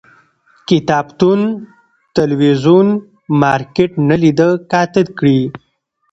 کتابتون، تلویزون، مارکيټ نه لیده کاته کړي